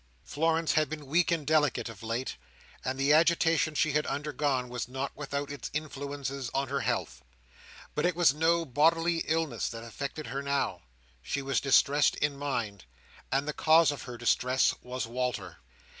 Florence had been weak and delicate of late, and the agitation she had undergone was not without its influences on her health. But it was no bodily illness that affected her now. She was distressed in mind; and the cause of her distress was Walter.